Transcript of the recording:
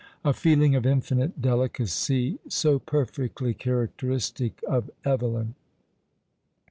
A feeling of infinite delicacy, so perfectly characteristic of Evelyn!